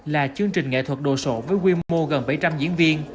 là chương trình nghệ thuật đồ sổ với quy mô gần bảy trăm linh diễn viên